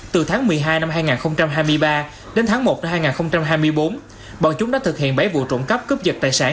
từ tháng một mươi hai năm hai nghìn hai mươi ba đến tháng một năm hai nghìn hai mươi bốn bọn chúng đã thực hiện bảy vụ trộm cắp cướp dật tài sản